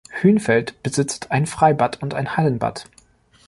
Hünfeld besitzt ein Freibad und ein Hallenbad.